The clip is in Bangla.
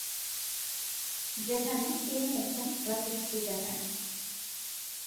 যেখানে তিনি একজন গ্রাফিক ডিজাইনার।